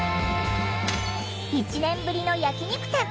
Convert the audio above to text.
１年ぶりの焼き肉店。